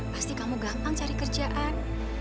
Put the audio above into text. pasti kamu gampang cari kerjaan